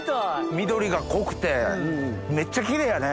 緑が濃くてめっちゃキレイやね。